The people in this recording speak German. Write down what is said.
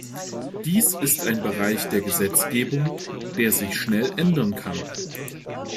Dies ist ein Bereich der Gesetzgebung, der sich schnell ändern kann.